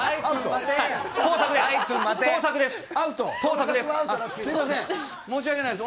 盗作です。